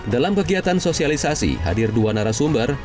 dalam kegiatan sosialisasi hadir dua narasumber